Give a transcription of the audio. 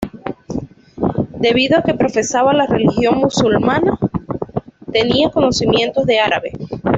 Debido a que profesaba la religión musulmana tenía conocimientos de árabe.